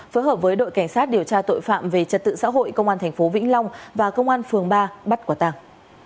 phối hợp với đội cảnh sát điều tra tội phạm về trật tự xã hội công an thành phố vĩnh long và công an phường ba bắt quả tang